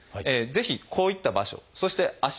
ぜひこういった場所そして足。